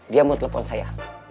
dia mau telepon saya